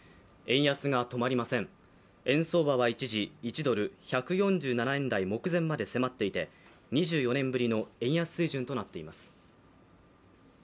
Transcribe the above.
円相場は一時１ドル＝１４７円台目前まで迫っていて２４年ぶりの円安水準となっています。